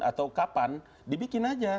atau kapan dibikin aja